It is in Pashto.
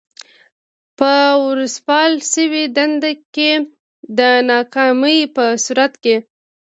په ورسپارل شوې دنده کې د ناکامۍ په صورت کې.